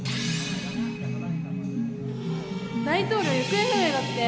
大統領行方不明だって